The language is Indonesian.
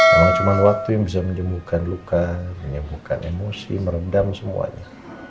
memang cuma waktu yang bisa menyembuhkan luka menyembuhkan emosi merendam semuanya